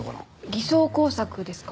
偽装工作ですか？